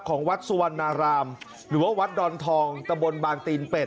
ของวัดสุวรรณารามหรือว่าวัดดอนทองตะบนบางตีนเป็ด